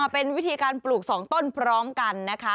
เป็นวิธีการปลูก๒ต้นพร้อมกันนะคะ